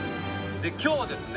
今日ですね